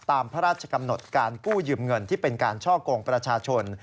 ตามพระราชกำหนดการกู้ยืมเงินที่เป็นการช่อกงประชาชน